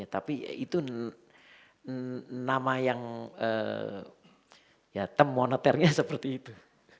tapi itu nama yang ya term moneternya seperti itu